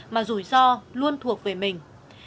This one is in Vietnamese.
mà rủi ro luôn thuộc về mình